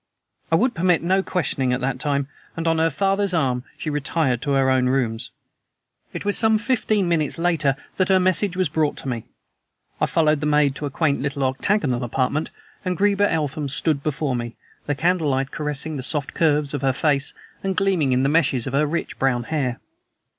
I would permit no questioning at that time, and on her father's arm she retired to her own rooms. It was some fifteen minutes later that her message was brought to me. I followed the maid to a quaint little octagonal apartment, and Greba Eltham stood before me, the candlelight caressing the soft curves of her face and gleaming in the meshes of her rich brown hair.